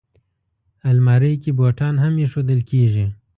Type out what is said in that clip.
الماري کې بوټان هم ایښودل کېږي